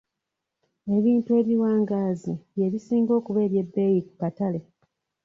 Ebintu ebiwangaazi bye bisinga okuba eby'ebbeeyi ku katale.